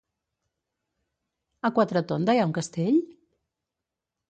A Quatretonda hi ha un castell?